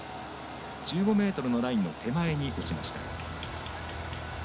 １５ｍのラインの手前に落ちました。